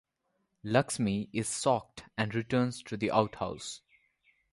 Lakshmi is shocked and returns to the outhouse.